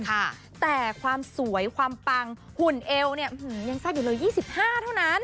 แต่ความสวยความปังหุ่นเอวเนี่ยยังแซ่บอยู่เลย๒๕เท่านั้น